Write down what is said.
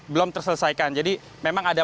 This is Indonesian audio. belum terselesaikan jadi memang ada